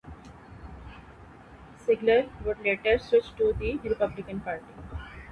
Sigler would later switch to the Republican Party.